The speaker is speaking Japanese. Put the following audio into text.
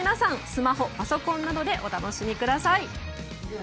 スマホ、パソコンなどでお楽しみください。